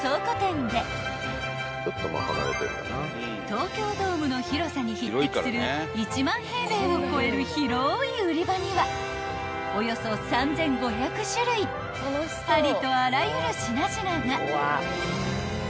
［東京ドームの広さに匹敵する１万平米を超える広い売り場にはおよそ３，５００種類ありとあらゆる品々が］